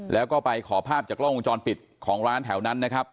แล้วก็ไปขอภาพจากกล้องวงจรปิดของร้านแถวนั้นนะครับ